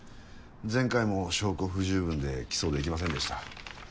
前回も証拠不十分で起訴できませんでした。